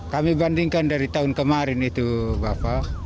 kami bandingkan dari tahun kemarin itu bapak